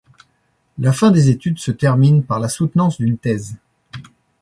La fin des études se termine par la soutenance d'une thèse.